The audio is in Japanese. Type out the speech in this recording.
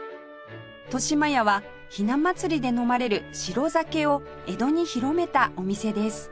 豊島屋はひな祭りで飲まれる白酒を江戸に広めたお店です